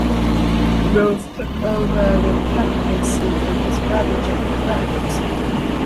Rolph took over the captaincy from his brother Jackie Grant.